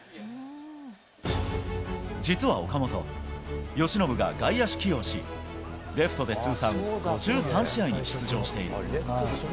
実は岡本、由伸が外野手起用し、レフトで通算５３試合に出場している。